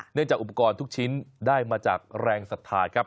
จากอุปกรณ์ทุกชิ้นได้มาจากแรงศรัทธาครับ